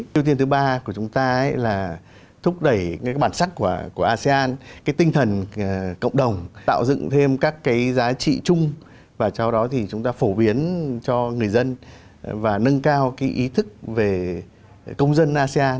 ưu tiên thứ ba của chúng ta là thúc đẩy bản sắc của asean cái tinh thần cộng đồng tạo dựng thêm các cái giá trị chung và sau đó thì chúng ta phổ biến cho người dân và nâng cao cái ý thức về công dân asean